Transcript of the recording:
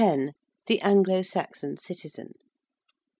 THE ANGLO SAXON CITIZEN.